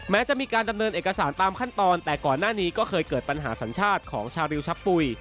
แม้จะมีการดำเนินเอกสารตามขั้นตอนแต่ก่อนหน้านี้ก็เคยเกิดปัญหาสัญชาติของชาวริวชะปุ๋ย